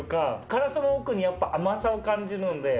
辛さの奥にやっぱ甘さを感じるんで。